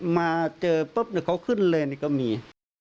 มาเจอปุ๊บเขาขึ้นเลยเนี่ยก็มี